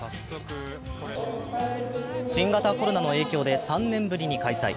新型コロナの影響で３年ぶりに開催